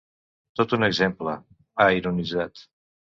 “Tot un exemple”, ha ironitzat.